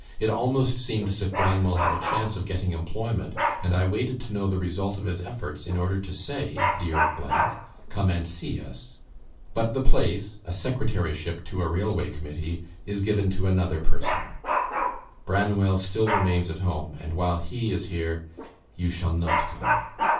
It almost seemed as if Branwell had a chance of getting employment, and I waited to know the result of his efforts in order to say, dear , come and see us. But the place (a secretaryship to a railway committee) is given to another person. Branwell still remains at home; and while he is here, you shall not come.